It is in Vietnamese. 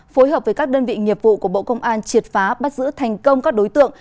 phối hợp với các đơn vị nghiệp vụ của bộ công an triệt phá bắt giữ thành công các đối tượng